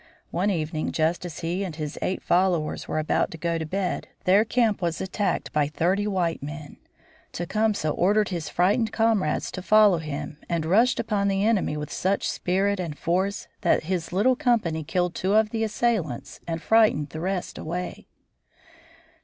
One evening just as he and his eight followers were about to go to bed their camp was attacked by thirty white men. Tecumseh ordered his frightened comrades to follow him and rushed upon the enemy with such spirit and force that his little company killed two of the assailants and frightened the rest away.